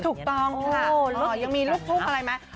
ถูกต้องค่ะยังมีลูกทุ่งอะไรไหม